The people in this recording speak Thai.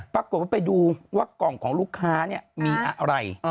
ปรากฏว่าไปดูว่ากล่องของลูกค้าเนี่ยมีอะไร